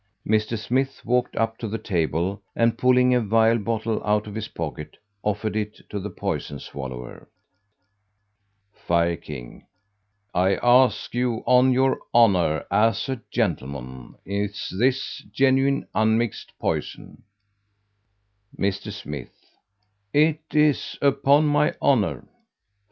Mr. Smith, walked up to the table, and pulling a vial bottle out of his pocket, offered it to the poison swallower. Fire king "I ask you, on your honor as a gentleman, is this genuine unmixed poison?" Mr. Smith "It is, upon my honor."